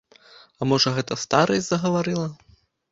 А можа гэта старасць загаварыла?